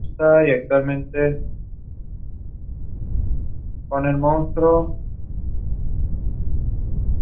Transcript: Tuttletown is registered as a California Historical Landmark.